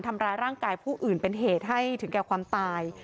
ทำร้ายร่างกายผู้อื่นเป็นเหตุให้ถึงแก่ความตาย